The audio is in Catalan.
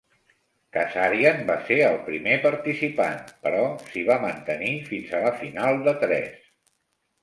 Kazarian va ser el primer participant, però s'hi va mantenir fins a la final de tres.